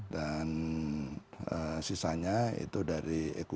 dan sisanya itu dari equity